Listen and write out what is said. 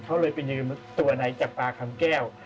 เขาเลยไปยืมตัวในจับปลาคำแก้ว